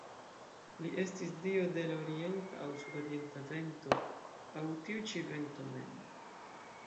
Li estis dio de la orienta aŭ sudorienta vento aŭ tiu ĉi vento mem.